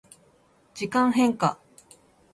時間変化